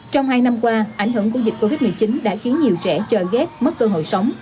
trong hai năm qua ảnh hưởng của dịch covid một mươi chín đã khiến nhiều trẻ chờ ghép mất cơ hội sống